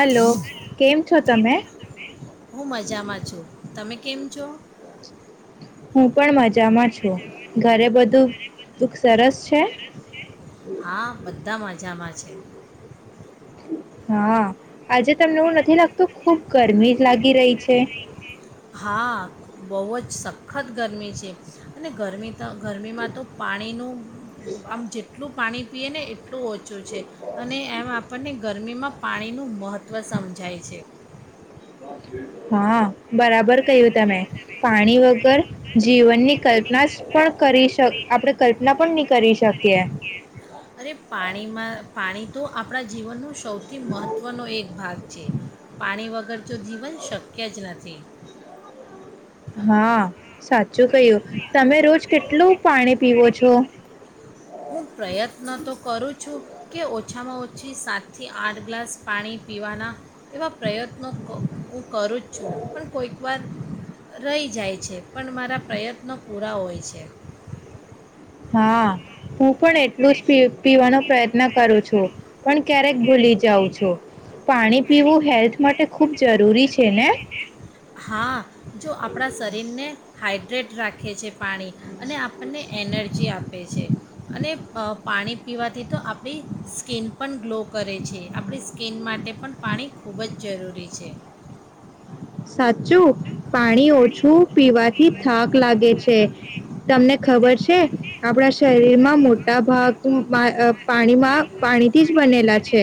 Hello, કેમ છો તમે? હું મજામાં છું તમે કેમ છો હું પણ મજામાં છું. ઘરે બધું દુખ સરસ છે. હા બધા મજામાં છે. છે. હા આજે તમને એવું નથી લાગતું ખુબ ગરમી જ લાગી રહી છે. હા બહુ જ સખત ગરમી છે અને ગરમી ત ગરમીમાં તો પાણીનું આમ જેટલું પાણી પીએ ને એટલું ઓછું છે અને એમ આપણને ગરમીમાં પાણીનું મહત્ત્વ સમજાય છે. હા બરાબર કહ્યું તમે પાણી વગર જીવનની કલ્પના પણ કરીશ આપણે કલ્પના પણ નહી કરી શકીએ. અરે પાણીમાં પાણી તો આપણા જીવનનો સૌથી મહત્ત્વનો એક ભાગ છે પાણી વગર વગર જો જીવન શક્ય જ નથી હા સાચું કહ્યું તમે રોજ કેટલું પાણી પીવો છો. હું પ્રયત્ન તો કરું છું કે ઓછામાં ઓછી સાતથી આઠ ગ્લાસ પાણી પીવાના એવા પ્રયત્નો ક- ઓ કરું જ છું પણ કોઈક વાર રહી જાય છે પણ મારા પ્રયત્નો પૂરા હોય છે. હા હું પણ એ એટલું જ પી-પીવાનો પ્રયત્ન કરુ છું પણ ક્યારેક ભૂલી જાવ છો પાણી પીવું હેલ્થ માટે ખૂબ જરૂરી છે ને? હા જો આપણા શરીરને હાઈડ ટ્રેટ રાખે છે પાણી અને આપણને એનર્જી આપે છે. અને અ પાણી પીવાથી તો આપડી સ્કીિન પણ ગ્લો કરે છે. આપણી સ્કીન માટે પણ પાણી ખૂબ જ જરૂરી છે. સાચું પાણી ઓછું પીવાથી થાક લાગે છે તમને ખબર છે? આપણા શરીરમાં આ મોટા ભાગ ઉમ-અ પાણીમાં પાણી થીજ બનેલા છે.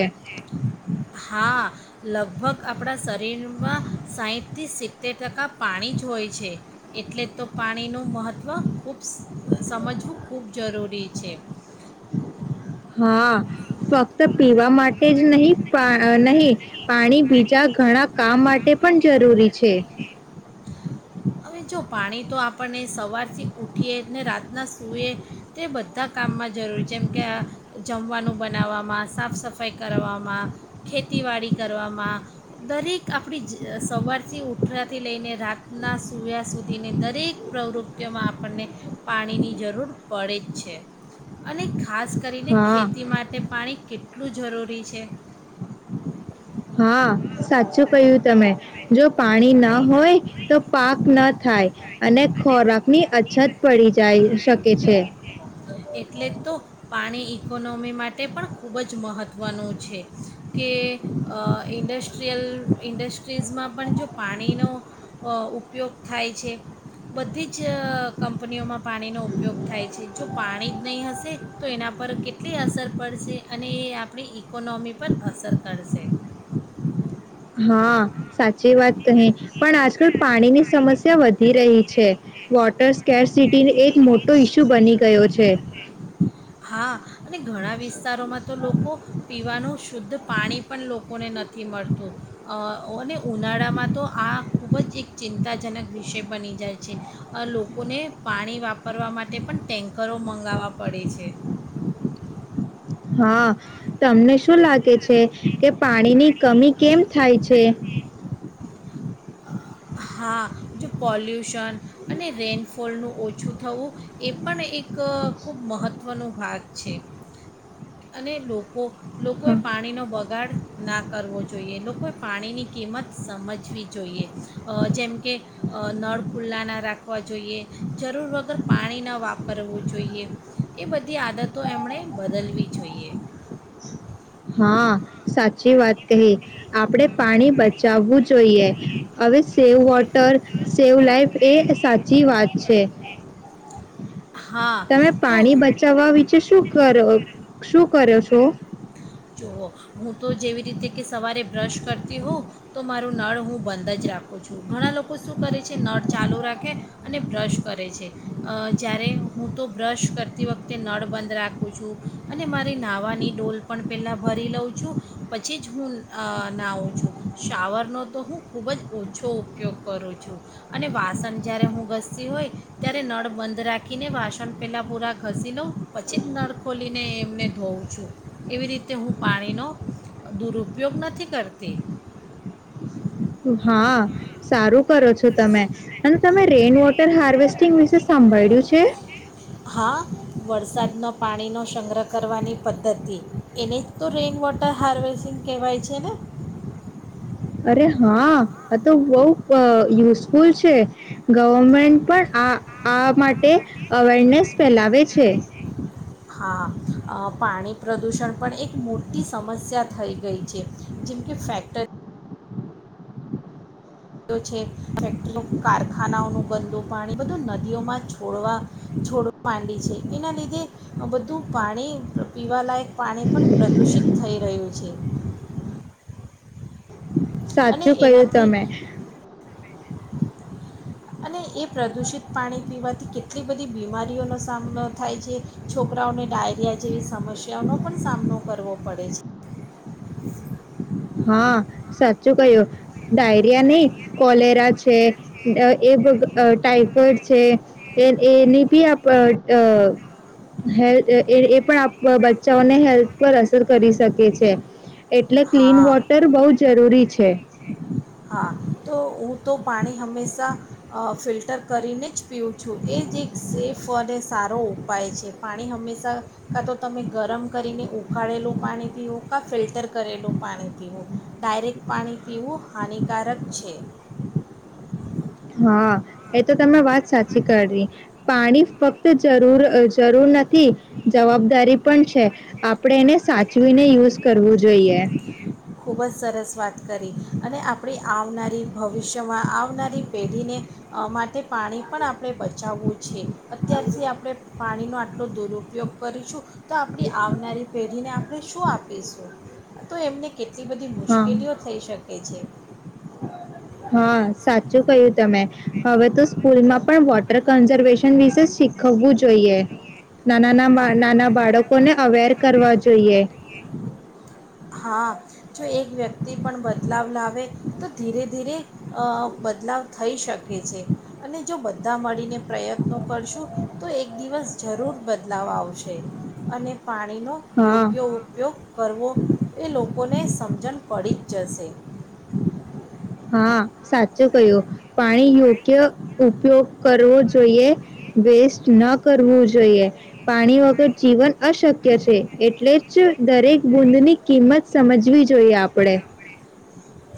ભગ આપણા શરીરમાં સાઈઠથી સિત્તેર ટકા પાણી જ હોય છે, એટલે તો પાણીનું મહત્ત્વ ખૂબ્સ સમજવું ખૂબ જરૂરી છે. હા, ફક્ત પીવા માટે જ નહી, નહી પાણી બીજા ઘણા કામ માટે પણ જરૂરી છે. હવે જો પાણી તો આપણને સવારથી ઉઠીએ ને રાતના સૂઈએ, તે બધા કામમાં જરૂરી છે જેમ કે આ જમવાનું બનાવવામાં સાફ સફાઈ કરવામાં, ખેતીવાડી કરવામાં, દરેક આપડી જ સવારથી ઉઠવાથી લઈને રાતના સૂવ્યા સુધીને દરેક પ્રવૃત્તિતિમાં આપણને પાણીની જરૂર પડે જ છે અને ખાસ કરીને હા ખેતી માટે પાણી કેટલું જરૂરી છે. [inaudible] હા અ સાચું કહ્યું તમે જો પાણી ન હોય તો પાક ન થાય. અને ખોરાક ની અછત પડી જ જય શકે છે. [inaudible] એટલે તો પાણી ઇકોનોમી માટે પણ ખૂબ જ મહત્ત્વનું છે કે અ ઇન્ડસ્ટ્રીયલ ઇન્ડસ્ટ્રીઝમાં પણ જો પાણીનો અ ઉપયોગ થાય છે બધી જ કંપનીઓમાં પાણીનો ઉપયોગ થાય છે જો પાણી જ નહીં હશે તો એના પર કેટલી અસર પડશે અને એ આપણી ઇકોનોમી પર અસર કરશે. હા સાચી વાત કહે પણ આજકાલ પાણીની સમસ્યા વધી રહી છે વોટર સ્કેસ સિટી ન એક મોટો ઇશ્યુ બની થયો છે. હા અને ઘણા વિસ્તારોમાં તો લોકો પીવાનું શુદ્ધ પાણી પણ લોકોને નથી મળતું અને ઉનાળામાં તો આ ખૂબ જ એક ચિંતા ચિંતાજનક વિષય બની જાય છે. લોકોને પાણી વાપરવા માટે પણ ટેન્કરો મંગાવવા પડે છે. હા તમને શું લાગે છે. કે પાણીની કમી કેમ થાય છે. હા જો પોલ્યુશન અને રેઇનફોલનું ઓછું થવું એ પણ એક ખૂબ મહત્ત્વનો ભાગ છે અને લોકો લોકોએ હા પાણીનો બગાડ ના કરવો જોઈએ લોકોએ પાણીની કિંમત સમજવી જોઈએ. જેમ કે નળ ખુલ્લા ના રાખવા જોઈએ જરૂર વગર પાણી ન વાપરવું જોઈએ એ બધી આદતો એમણે બદલવી જોઈએ. હા સાચી વાત કહી. આપણેે પાણી બચાવવું જ જોઈ હવે સેવ વોટર સેવ લાઈફ એ સાચ વાત છે હા તમે તો પાણી બચાવવા વિચે શું. કર શું કર્યો છો. જઓ હું તો જેવી રીતે કે સવારે બ્રશ કરતી હોઉં તો મારોું નળ હું બંધ જ રાખું છું ઘણા લોકો શું કરે છે નળ ચાલુ રાખે અને બ્રશ કરે છે જ્યારે હું તો બ્રશ કરતી વખતે નળ બંધ રાખું છું અને મારી નાહવાની ડોલ. પણ પહેલાં ભરી લઉં છું પછી જ હું નાહઉું છું શાવરનો તો હું ખૂબ જ ઓછો ઉપયોગ કરું છું અને વાસણ જ્યારે હું ઘતી હોય ત્યારે નળ બંધ રાખીને વાસણ પહેલાં પૂરા ઘસી લઉં પછી જ નળ ખોલીને એમને ધોઉં છું. એવી રીતે હું પાણીનો દુરુપયોગ નથી કરતી. છ તમે અને તમે રેઇન વોટર હાર્વેસ્ટિંગ વિશે. સાંભળ્યું છે. હા વરસાદનો પાણીનો સંગ્રહ કરવાની પદ્ધતિ એને જ તો રેઇન વોટર હાર્વેસિંગ કહેવાય છે ને. અરે હા આ તો બઉ અ યુઝફુલ છે ગવર્મેન્ટ પણ આ આ માટે અવેરનેસ ફેલાવે છે. હા અ પાણી પ્રદૂષણ પણ એક મોટી સમસ્યા થઈ ગઈ છે જેમકે ફેક્ટરી છે ફેક્ટરી કારખાનાઓનું ગંદું પાણી બધું નદીઓમાં છોડવા છોડવા માંડી છે એના લીધે બધું પાણી પી પીવાલાયક પાણી પણ પ્રદુષિત થઈ રહ્યું છે. અને સાચું કય્યું એનાથી તમે. અને એ પ્રદૂષિત પાણી પીવાથી કેટલી બધી બીમારીઓનો સામનો થાય છે છોકરાઓને ડાયરિયા જેવી સમસ્યાઓનો પણ સામનો કરવો પડે છે. હા સાચ ક્યું ડાયરિયા નહી. કોલેરા છે એ ટાઈફોઇડ છે એની બીે એ પણ અ હે બચ્ચાઓને હેલ્થ પર અસર કરી શકે છે. એટલે ક્લીન હા બહુ જરૂરી છે. હા તો હું તો પાણી હંમેશા અ ફિલ્ટર કરીને જ પીવું છું એજ એક સેફ ફોરેસ્ટ સારો ઉપાય છે પાણી હંમેશા કાં તો તમે ગરમ કરીને ઉકાાળેલું પાણી પીવું કાં ફિલ્ટર કરેલું પાણી પીવું ડાયરેક્ટ પાણી પીવું. હાનિકારક છે. હા એ તો તમે વાત સાચી કરવી. પાણી ફક્ત જરૂર જરૂર નથી જવાબદારી પણ છે આપણે એને સાચવીને યુઝ કરવું જોઈએ. ખૂબ જ સરસ વાત કરી અને આપણી આવનારી ભવિષ્યમાં આવનારી પેઢીને માટે પાણી પણ આપણે બચાવવું છે અત્યારથી આપણે પાણીનો આટલો દુરુપયોગ કરીશું તો આપણી આવનારી પેઢીને આપણે શું આપીશું તો એમને એટલી બધી હા મુશ્કેલીઓ થઈ શકે. એજ. હા સાચું ક્યું તમે હવે તો સ્કૂલમાં પણ વોટર કન્ઝર્વેશન વિશે શીખવવું જોઈએ. નાના ના હા નાના બાળકોને અવેર કરવા જોઈએ. હા જો એક વ્યક્તિ પણ બદલાવ લાવે તો ધીરે ધીરે અ બદલાવ થઈ શકે છે અને જો બધા મળીને પ્રયત્નો કરશું તો એક દિવસ જરૂર બ બદલાવ આવશે અને. પાણીનો હા યોગ્ય ઉપયોગ કરવો એ લોકો લોકોને સમજણ પડી જ જશે. હા સાચું કહ્યું પાણી યોગ્ય ઉપયોગ કરવો જોઈએ વેસ્ટ ન કરવું જોઈએ પાણી વગર જીવન અશક્ય છે એટલે જ દરેક બૂદની કિંમત સમજવી જોઈએ આપણેે.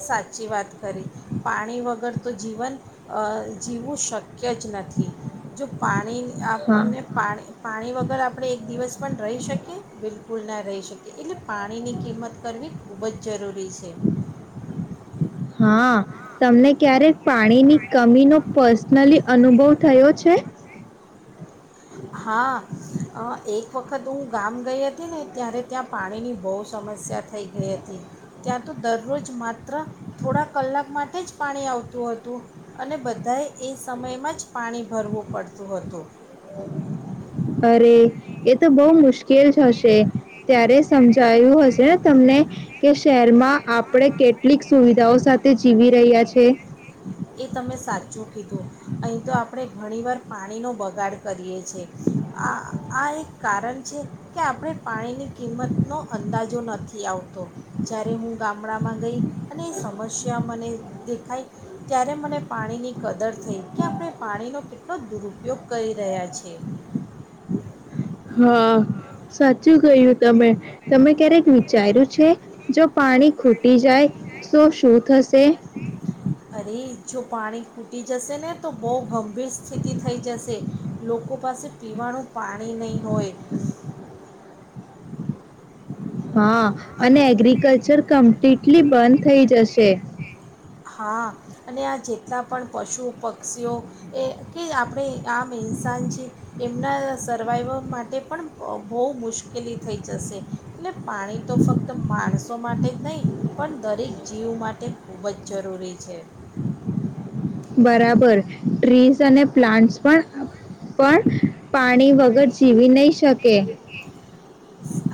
સાચી વાત કરી પાણી વગર તો જીવન અ જીવું શક. કચ નથી જો પાણી હા આપણને પાણી પાણી વગર આપણે એક દિવસ પણ રહી શકીએ? બિલકુલ બિલકુલ ના રહી શકી એટલે પાણીની કિંમત કરવી ખૂબ જ જરૂરી. [unintelligible] હા તમને ક્યારેક પાણીની કમીનો પર્સનલી અનુભવ થયો છે. હા અ એક એક વખત હું ગામ ગઈ હતી ને ત્યારે ત્યાં પાણીની બહુ સમસ્યા થઈ ગઈ હતી ત્યાં તો દરરોજ માત્ર થોડા કલાક માટે જ પાણી આવતું હતું અને બધાએ એ સમયમાં જ પાણી ભરવું પડતું હતું. અરે એ તો બહ મુશ્કેલ જ હશે ત્યારે સમજાયું હશે ને તમને કે શહેરમાં આપણે કેટલીક સુવિધાઓ સાથે જીવી રહ્યા છે. એ તમે સાચું કીધું અહીં તો આપણે ઘણી વાર પાણીનો બગાડ કરીએ છેએ આ આ એક કારણ છે કે આપણે પાણીની કિંમતનો અંદાજો નથી આવતો જ્યારે હું ગામડામાં ગઈ અને એ સમસ્યા મને દેખાય ત્યારે મને પાણીની કદર થઈ કે આપણે પાણીનો કેટલો દુરુપયોગ કરી રહ્યા છે. હા સાચું ગયું તમે તમે ક્યારેક વિચાર્યું છે, જો પાણી ખૂટી જાય તો શું થશે. અરે જો પાણી ફૂટી જશે ને તો બહુ ગંભીર સ્થિતિ થઈ જશે લોકો પાસે પીવાનું પાણી નહીં હોય. હા અન અને એગ્રિકલ્ચર કમ્પ્લીટલી બંધ થઈ જશે. હા અને આ જેટલા પણ પશુ પક્ષીઓ એ કે આપણે આમ ઇન્સાન [unintelligible] એમના સર્વાઈવલ માટે પણ બહુ મુશ્કેલી થઈ જશે અનેટ પાણી તો ફક્ત માણસો માટે જ નહીં પણ દરેક જીવ માટે ખૂબ જ જરૂરી છે. બરાબર ટ્રીઝ અને પ્લાન્ટસ પણ પણ પાણી વગર જીવી નહી શકે. [unintelligible]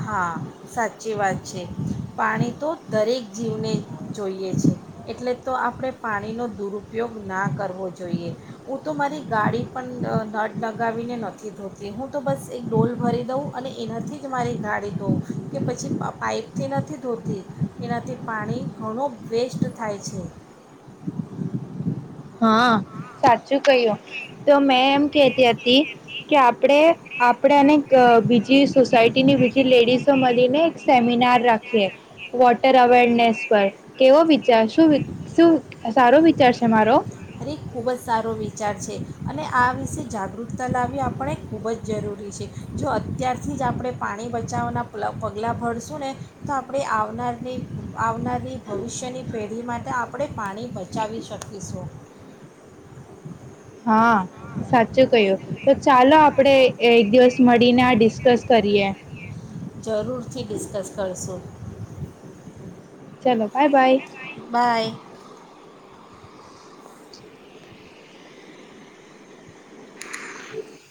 હા સાચી વાત છે, પાણી તો દરેક જીવને જોઈએ છે, એટલે તો આપણે પાણીનો દુરુપયોગ ના કરવો જોઈએ હું તો મારી ગાડી પણ નટ લગાવીને નથી ધોતી હું તો બસ એક ડોલ ભરી દઉં અને એનાથી જ મારી [unintelligible] ધો કે પછી પાઈપથી નથી ધોતી એનાથી પાણી ઘણું વેસ્ટ થાય છે. હા [unintelligible] કહ્યું તો મેં એમ કતી હતી કે આપડે આપણેને બીજી સોસાયટીની બીજી લેડીસો મળીને એક સેમિનાર રાખીએ વોટર અવેરનેસ પર કેવો. [unintelligible] શું શું સારો વિચાર છે, મારો. અને ખૂબ જ સારો વિચાર છે, અને આ વિશે જાગૃતતા લાવવી આપણે ખૂબ જ જરૂરી છે, જો અત્યારથી જ આપણે પાણી બચાવવાના પ પગલાં ભરશું ને તો આપણે આવનારને આવનાર ભવિષ્યની પેઢી માટે આપ પાણી બચાવી શકીશું. હા સાચું કય્યું તો ચાલો આપડે એક દિવસ મળીને આ ડિસ્કસ કરીએ. જરૂરથી ડિસ્કસ કરશો. [unintelligible] By bye. બાય. [inaudible]